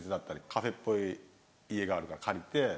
カフェっぽい家があるから借りて。